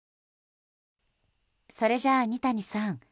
それじゃあ、二谷さん